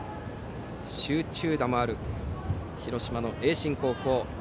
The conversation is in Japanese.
集中打もある広島の盈進高校。